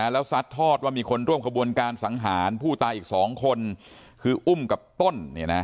แล้วซัดทอดว่ามีคนร่วมขบวนการสังหารผู้ตายอีก๒คนคืออุ้มกับต้น